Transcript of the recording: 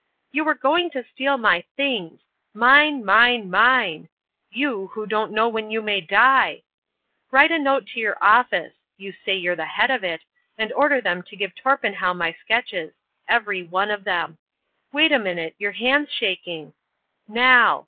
"You were going to steal my things,—mine, mine, mine!—you, who don't know when you may die. Write a note to your office,—you say you're the head of it,—and order them to give Torpenhow my sketches,—every one of them. Wait a minute: your hand's shaking. Now!"